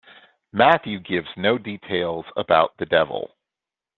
Matthew gives no details about the devil.